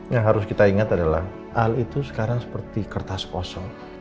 yang harus kita ingat adalah al itu sekarang seperti kertas kosong